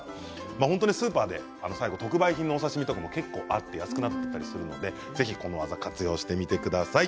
本当にスーパーで最後特売品の刺身とかがあって安くなったりするのでぜひこの技を活用してみてください。